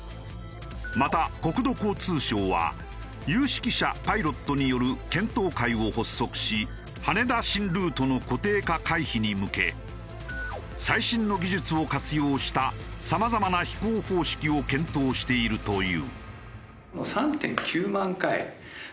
また国土交通省は有識者パイロットによる検討会を発足し羽田新ルートの固定化回避に向け最新の技術を活用したさまざまな飛行方式を検討しているという。